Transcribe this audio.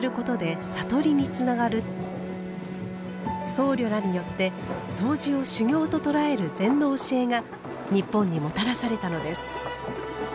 僧侶らによって「そうじを修行」と捉える禅の教えが日本にもたらされたのです。